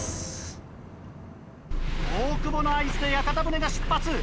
大久保の合図で屋形船が出発。